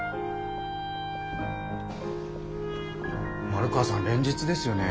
丸川さん連日ですよね。